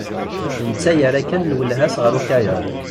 Netta yerra kan lwelha-s ɣer ukayad.